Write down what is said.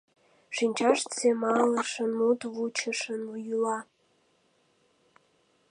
Шинчашт семалышын, мут вучышын йӱла.